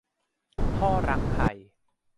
ท่อรังไข่